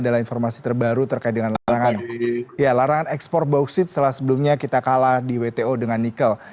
larangan ekspor bauksit setelah sebelumnya kita kalah di wto dengan nikel